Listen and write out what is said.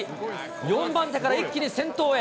４番手から一気に先頭へ。